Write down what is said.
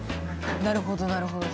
なるほどなるほど。